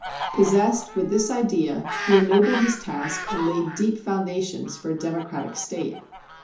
Possessed with this idea he ennobled his task and laid deep foundations for a democratic State.